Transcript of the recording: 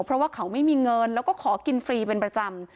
เพราะว่าเขาไม่มีเงินแล้วก็ขอกินฟรีเป็นประจำ